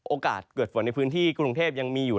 โอกาสเกิดฝนในพื้นที่กรุงเทพยังมีอยู่